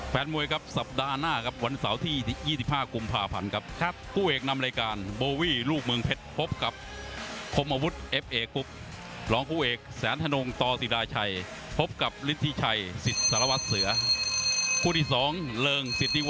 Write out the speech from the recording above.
แฟนมวยในอนาคตในหน้าแดงหมดยุคที่๑